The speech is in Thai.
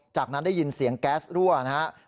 จากนั้นได้ยินเสียงแก๊สรั่วนะครับ